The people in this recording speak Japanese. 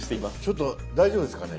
ちょっと大丈夫ですかね。